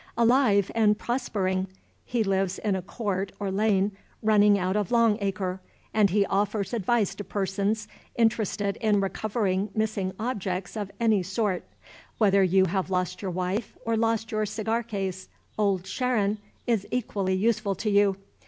"Alive and prospering. He lives in a court or lane running out of Long Acre, and he offers advice to persons interested in recovering missing objects of any sort. Whether you have lost your wife, or lost your cigar case, Old Sharon is equally useful to you.